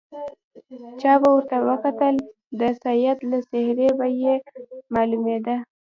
چا به ورته وکتل د سید له څېرې به یې معلومېدله.